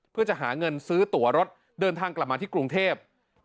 เพื่อจะหาเงินซื้อตัวรถเดินทางกลับมาที่กรุงเทพ